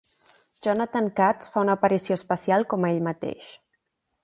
Jonathan Katz fa una aparició especial com a ell mateix.